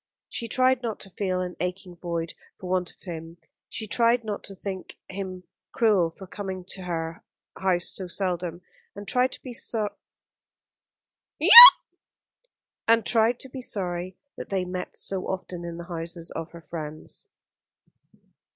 She tried not to feel an aching void for want of him; she tried not to think him cruel for coming to her house so seldom, and tried to be sorry that they met so often in the houses of her friends.